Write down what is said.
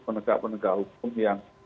penegak penegak hukum yang